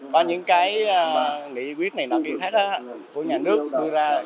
có những cái nghị quyết này là kiện thách của nhà nước đưa ra